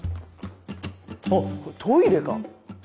あっトイレか！